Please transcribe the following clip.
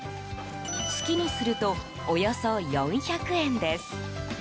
月にするとおよそ４００円です。